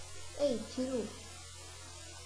এই, থিরু!